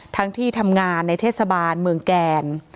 ที่ทำงานในเทศบาลเมืองแกน